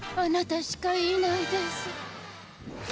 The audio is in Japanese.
あなたしかいないです。